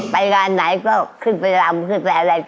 ไปการไหนก็ขึ้นไปอ่าวมันขึ้นไปอ่ะ